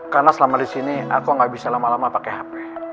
karena selama disini aku gak bisa lama lama pakai hp